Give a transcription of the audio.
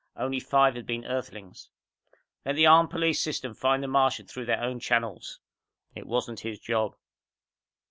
Only five had been Earthlings. Let the armed police system find the Martian through their own channels. It wasn't his job.